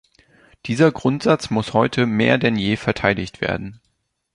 Dieser Grundsatz muss heute mehr denn je verteidigt werden.